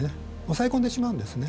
抑え込んでしまうんですね。